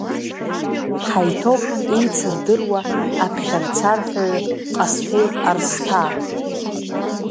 Ҳаиҭоуп еицырдыруа аԥхьарцарҳәаҩы Ҟасҭеи Арсҭаа.